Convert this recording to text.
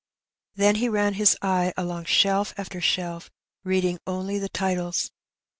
^' Then he ran his eye along shelf after shelf, reading only the titles.